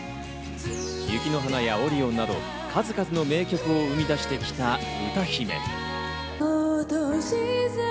『雪の華』や『ＯＲＩＯＮ』など数々の名曲を生み出してきた歌姫。